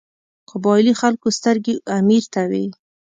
قبایلي خلکو سترګې امیر ته وې.